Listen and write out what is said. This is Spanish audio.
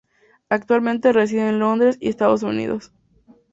Actualmente reside en Londres y Estados Unidos.